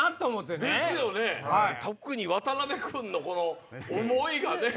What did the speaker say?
特に渡辺君のこの思いがね。